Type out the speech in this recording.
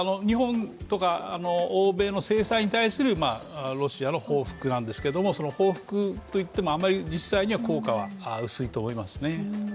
日本とか欧米の制裁に対するロシアの報復なんですけれども、その報復といってもあまり実際には効果が薄いと思いますね。